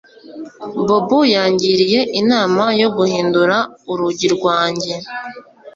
Bobo yangiriye inama yo guhindura urugi rwanjye